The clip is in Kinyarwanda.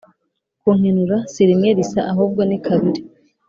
Kunkenura si rimwe risa ahubwo ni kabiri